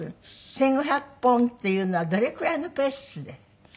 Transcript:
１５００本っていうのはどれくらいのペースで？